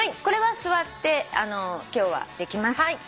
これは座って今日はできます。